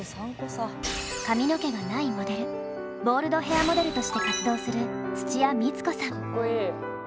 髪の毛がないモデルボールドヘアモデルとして活動するかっこいい。